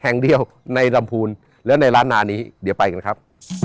แห่งเดียวในลำพูนแล้วในร้านนานี้เดี๋ยวไปกันครับ